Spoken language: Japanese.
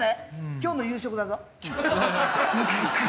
今日の夕食だぞ。